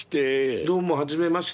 どうもはじめまして。